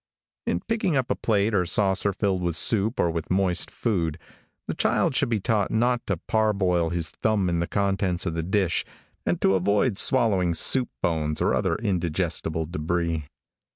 In picking up a plate or saucer filled with soup or with moist food, the child should be taught not to parboil his thumb in the contents of the dish, and to avoid swallowing soup bones or other indigestible debris.